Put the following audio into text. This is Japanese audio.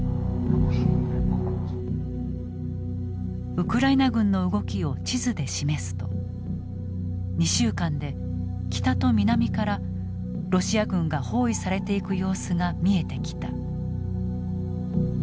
ウクライナ軍の動きを地図で示すと２週間で北と南からロシア軍が包囲されていく様子が見えてきた。